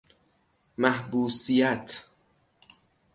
محبوسیت